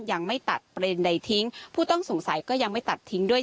ยังไม่ตัดประเด็นใดทิ้งผู้ต้องสงสัยก็ยังไม่ตัดทิ้งด้วย